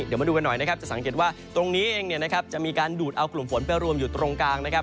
เดี๋ยวมาดูกันหน่อยนะครับจะสังเกตว่าตรงนี้เองเนี่ยนะครับจะมีการดูดเอากลุ่มฝนไปรวมอยู่ตรงกลางนะครับ